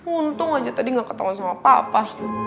untung aja tadi gak ketemu sama papa